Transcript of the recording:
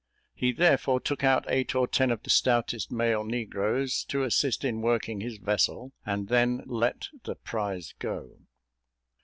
He therefore took out eight or ten of the stoutest male negroes, to assist in working his vessel, and then let the prize go.